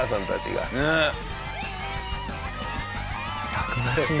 たくましい。